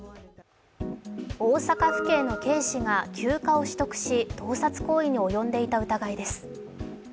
大阪府警の警視が休暇を取得し盗撮行為に及んでいた疑いです。